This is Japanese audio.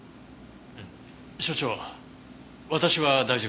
所長私は大丈夫です。